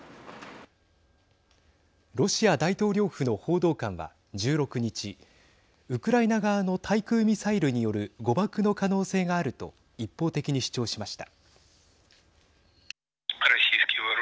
ロシア大統領府の報道官は１６日ウクライナ側の対空ミサイルによる誤爆の可能性があると一方的に主張しました。